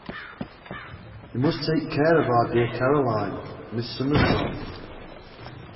We must take care of our dear Caroline, Miss Summerson.